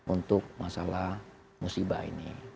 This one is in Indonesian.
untuk masalah musibah ini